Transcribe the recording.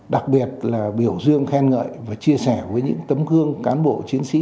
đặc biệt là biểu dương khen ngợi và chia sẻ với những tấm gương cán bộ chiến sĩ